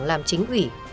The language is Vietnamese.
làm chính quỷ